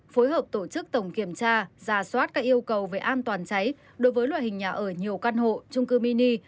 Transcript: phối hợp tổ chức tổng kiểm tra giả soát các yêu cầu về an toàn cháy đối với loại hình nhà ở nhiều căn hộ trung cư mini